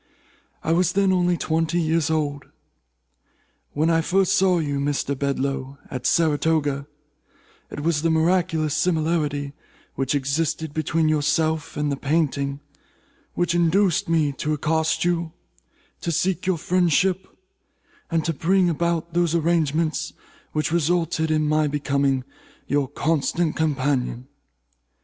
I was then only twenty years old. When I first saw you, Mr. Bedloe, at Saratoga, it was the miraculous similarity which existed between yourself and the painting which induced me to accost you, to seek your friendship, and to bring about those arrangements which resulted in my becoming your constant companion.